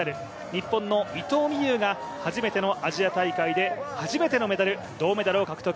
日本の伊藤美優が初めてのアジア大会で初めてのメダル、銅メダルを獲得。